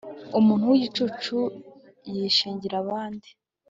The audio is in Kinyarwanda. umuntu w'igicucu yishingira abandi